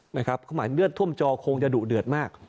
เขาหมายเลือดท่วมจอคงจะดุเดือดมาก